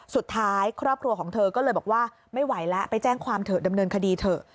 สุดท้ายครอบครัวของเธอก็เลยบอกว่าไม่ไหวแล้วไปแจ้งความเถอะดำเนินคดีเถอะ